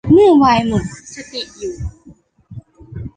เมื่อไวน์หมดสติอยู่